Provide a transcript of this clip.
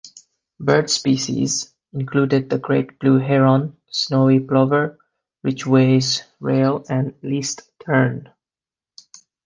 Bird species included the great blue heron, snowy plover, Ridgway's rail and least tern.